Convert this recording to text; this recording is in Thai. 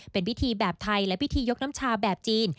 เป็นพิธีแบบไทยและพิธียกน้ำชาแบบจีน